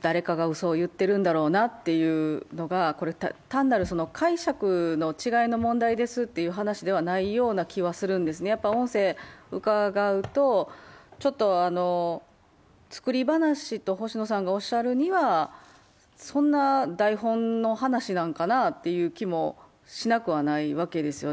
誰かがうそを言ってるんだろうなというのが、単なる解釈の違いの問題ですという話ではないような気がするんですね、音声を伺うと、作り話と星野さんがおっしゃるには、そんな台本の話なのかなという気もしなくはないわけですね。